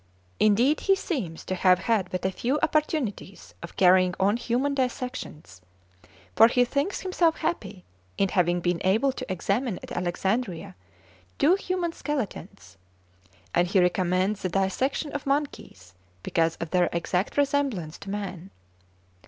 Indeed, he seems to have had but few opportunities of carrying on human dissections, for he thinks himself happy in having been able to examine at Alexandria two human skeletons; and he recommends the dissection of monkeys because of their exact resemblance to man.